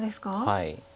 はい。